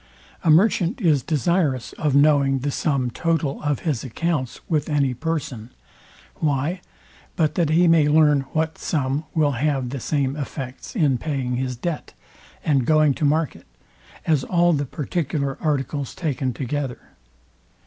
A merchant is desirous of knowing the sum total of his accounts with any person: Why? but that he may learn what sum will have the same effects in paying his debt, and going to market, as all the particular articles taken together.